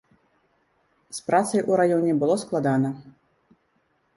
З працай у раёне было складана.